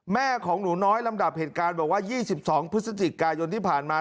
แม่ของหนูน้อยลำดับเหตุการณ์บอกว่า๒๒พฤศจิกายนที่ผ่านมา